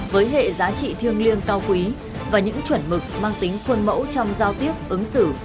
với hệ giá trị thiêng liêng cao quý và những chuẩn mực mang tính khuôn mẫu trong giao tiếp ứng xử